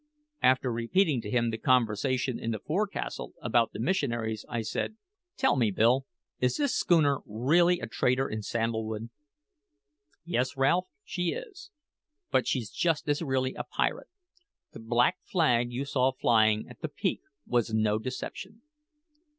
After repeating to him the conversation in the forecastle about the missionaries, I said: "Tell me, Bill: is this schooner really a trader in sandal wood?" "Yes, Ralph, she is; but she's just as really a pirate. The black flag you saw flying at the peak was no deception."